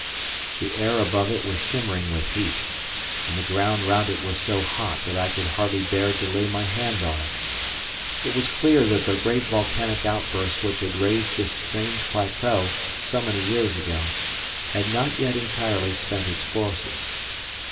The air above it was shimmering with heat, and the ground round was so hot that I could hardly bear to lay my hand on it. It was clear that the great volcanic outburst which had raised this strange plateau so many years ago had not yet entirely spent its forces.